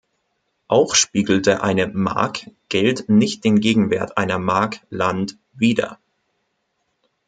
Auch spiegelte eine "Mark" Geld nicht den Gegenwert einer "Mark" Land wider.